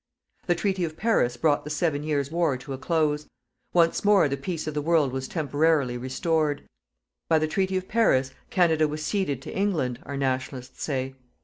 The Treaty of Paris brought the Seven Years War to a close. Once more the peace of the world was temporarily restored. By the Treaty of Paris, Canada was ceded to England, our "Nationalists" say.